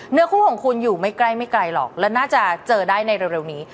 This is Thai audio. เนื้อคู่ของคุณอยู่ไม่ใกล้ไม่ไกลหรอกและน่าจะเจอได้ในเร็วนี้